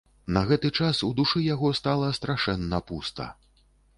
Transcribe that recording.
На гэты час у душы яго стала страшэнна пуста.